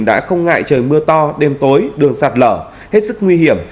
đã không ngại trời mưa to đêm tối đường sạt lở hết sức nguy hiểm